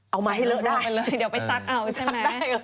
เอามาให้เลอะได้ไปเลยเดี๋ยวไปซักเอาใช่ไหม